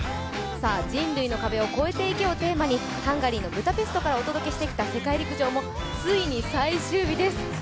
「人類の壁を超えていけ」をテーマにハンガリーのブダペストからお届けしてきた世界陸上もついに最終日です。